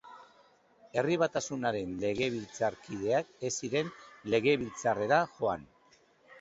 Herri Batasunaren legebiltzarkideak ez ziren Legebiltzarrera joan.